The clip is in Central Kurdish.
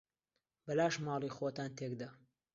بەلاش ماڵی خۆتان تێک دا.